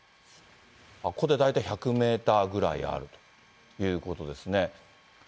ここで大体１００メーターぐらいあるということですね。